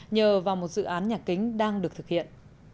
nhờ vào một dự án nhà kính đang được thực hiện